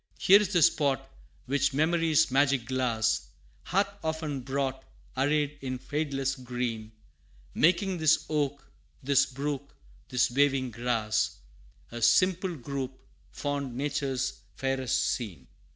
Here is the spot which memory's magic glass Hath often brought, arrayed in fadeless green, Making this oak, this brook, this waving grass A simple group fond Nature's fairest scene.